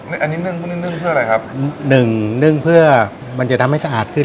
อันนี้นึ่งพวกนี้นึ่งเพื่ออะไรครับหนึ่งนึ่งเพื่อมันจะทำให้สะอาดขึ้น